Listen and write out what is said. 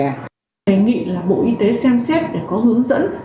và đề nghị là bộ y tế xem xét để có hướng dẫn